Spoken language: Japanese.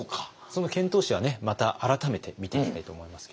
その遣唐使はねまた改めて見ていきたいと思いますけれども。